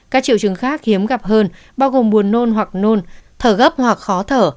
các triệu chứng khác hiếm gặp hơn bao gồm buồn nôn hoặc nôn thở gấp hoặc khó thở